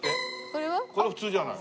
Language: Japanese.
これは？それ普通じゃない。